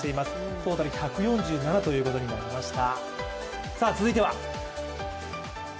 トータル１４７ということになりました。